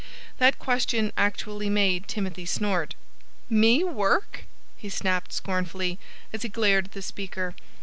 That question actually made Timothy snort. "Me work?" he snapped scornfully, as he glared at the speaker.